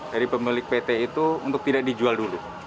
dari pemilik pt itu untuk tidak dijual dulu